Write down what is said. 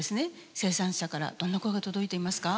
生産者からどんな声が届いていますか？